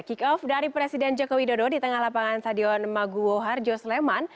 kick off dari presiden joko widodo di tengah lapangan stadion maguwo harjo sleman